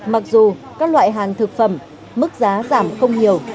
mặc dù các loại hàng thực phẩm mức giá giảm không nhiều